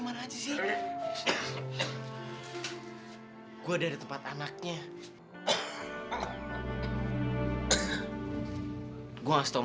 mereka sudah tidak punya bapak lagi